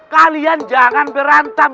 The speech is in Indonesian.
kalian jangan berantem